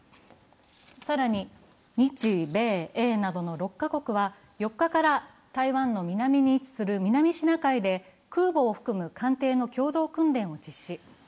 更に、日米英などの６カ国は４日から台湾の南に位置する南シナ海で空母を含む艦船の共同訓練を実施。